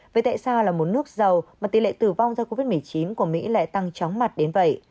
vậy tại sao là một nước giàu mà tỷ lệ tử vong do covid một mươi chín của mỹ lại tăng chóng mặt đến vậy